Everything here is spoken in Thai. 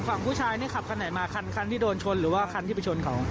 ฝั่งผู้ชายนี่ขับคันไหนมาคันที่โดนชนหรือว่าคันที่ไปชนเขา